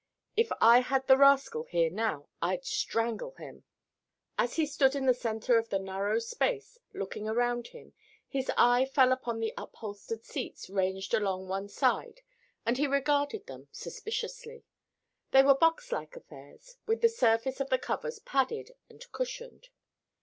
If I had the rascal here now, I'd strangle him!" As he stood in the center of the narrow space, looking around him, his eye fell upon the upholstered seats ranged along one side and he regarded them suspiciously. They were box like affairs, with the surface of the covers padded and cushioned.